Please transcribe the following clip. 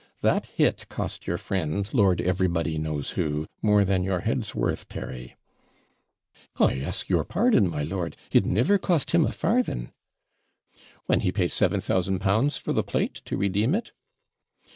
That hit cost your friend, Lord everybody knows who, more than your head's worth, Terry.' 'I ask your pardon, my lord, it never cost him a farthing.' 'When he paid L7000 for the plate, to redeem it?'